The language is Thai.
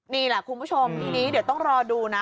นี่แหละคุณผู้ชมทีนี้เดี๋ยวต้องรอดูนะ